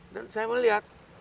dan saya melihat